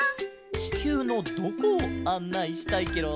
ちきゅうのどこをあんないしたいケロ？